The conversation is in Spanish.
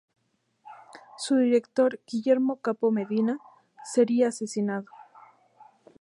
Su director, Guillermo Capó Medina, sería asesinado.